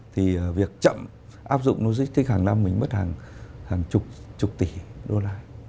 thì việc chậm áp dụng logistics hàng năm mình mất hàng chục chục tỷ đô la